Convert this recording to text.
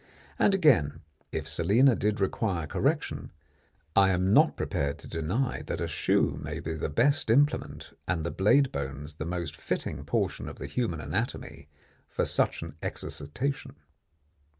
And again, if Selina did require correction, I am not prepared to deny that a shoe may be the best implement and the blade bones the most fitting portion of the human anatomy for such an exercitation.